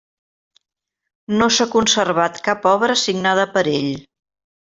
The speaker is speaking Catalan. No s'ha conservat cap obra signada per ell.